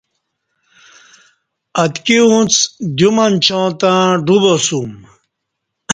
اتکی اُنڅ دیو منچاں تہ ڈو باسُم